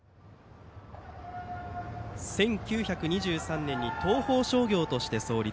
１９２３年に東邦商業として創立。